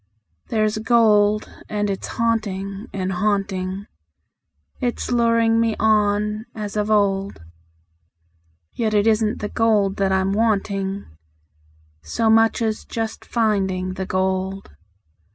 There's gold, and it's haunting and haunting; It's luring me on as of old; Yet it isn't the gold that I'm wanting So much as just finding the gold.